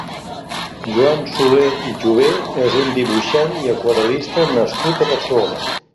Joan Soler i Jové és un dibuixant i aquarel·lista nascut a Barcelona.